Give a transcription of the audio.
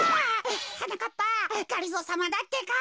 はなかっぱがりぞーさまだってか。